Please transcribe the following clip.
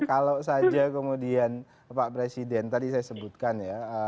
kalau saja kemudian pak presiden tadi saya sebutkan ya